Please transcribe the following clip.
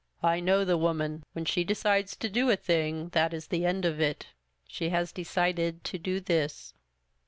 I know the woman — when she decides to do a thing that is the end of it. She has decided to do this."